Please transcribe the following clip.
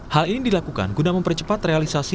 hal ini dilakukan guna mempercepat realisasi